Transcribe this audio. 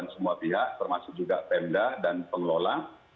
panduan semua pihak termasuk juga pendah dan pengelola